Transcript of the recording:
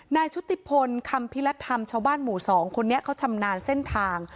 ชุติพลคำพิรัฐธรรมชาวบ้านหมู่สองคนนี้เขาชำนาญเส้นทาง